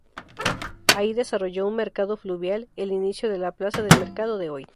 Allí desarrolló un mercado fluvial, el inicio de la plaza del mercado de hoy.